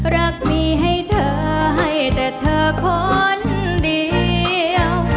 รักมีให้เธอให้แต่เธอคนเดียว